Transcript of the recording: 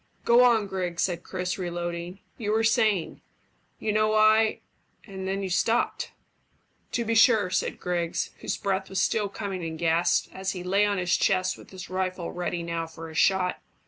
"Go on, Griggs," said Chris, reloading. "You were saying, `You know I ' and then you stopped." "To be sure," said Griggs, whose breath was still coming in gasps, as he lay on his chest with his rifle ready now for a shot.